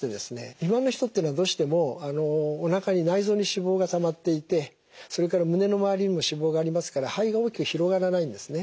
今の人っていうのはどうしてもおなかに内臓に脂肪がたまっていてそれから胸の周りにも脂肪がありますから肺が大きく広がらないんですね。